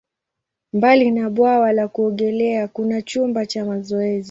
Mbali na bwawa la kuogelea, kuna chumba cha mazoezi.